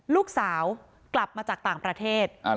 ลูกสาวกลับมาจากต่างประเทศ